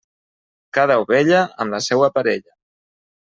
Cada ovella, amb la seua parella.